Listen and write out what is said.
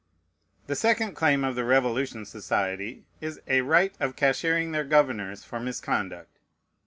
The second claim of the Revolution Society is "a right of cashiering their governors for misconduct."